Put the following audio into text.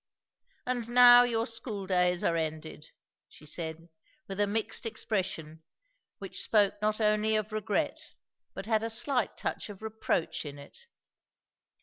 "And now your school days are ended!" she said, with a mixed expression which spoke not only of regret but had a slight touch of reproach in it.